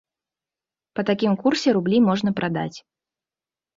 Па такім курсе рублі можна прадаць.